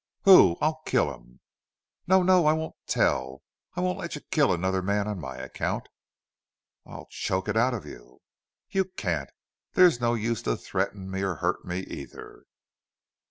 "Who?... I'll kill him!" "No no. I won't tell. I won't let you kill another man on my account." "I'll choke it out of you." "You can't. There's no use to threaten me, or hurt me, either."